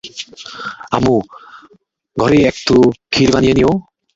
আম্মু, ঘরে একটু খির বানিয়ে নিও।